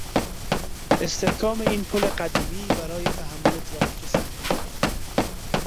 استحکام این پل قدیمی برای تحمل ترافیک سنگین